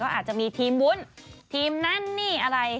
อาจจะมีทีมวุ้นทีมนั้นนี่อะไร